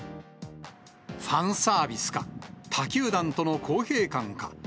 ファンサービスか、他球団との公平感か。